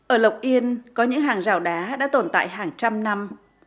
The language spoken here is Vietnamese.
ở lộc yên có những hàng rào đá đã tồn tại hàng trăm năm